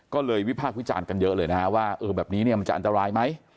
ก็เลยวิพากษ์วิจารณ์กันเยอะเลยนะฮะว่าแบบนี้เนี่ยมันจะอันตรายไหม